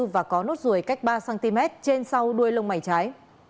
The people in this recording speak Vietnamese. và có nốt ruồi cách ba cm trên sau đuôi lông mày trái